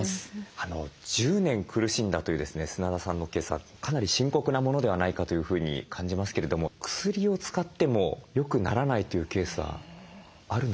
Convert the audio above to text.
１０年苦しんだというですね砂田さんのケースはかなり深刻なものではないかというふうに感じますけれども薬を使ってもよくならないというケースはあるのでしょうか？